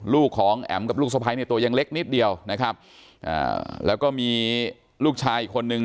ลูกของแอ๋มกับลูกสะพ้ายเนี่ยตัวยังเล็กนิดเดียวนะครับอ่าแล้วก็มีลูกชายอีกคนนึง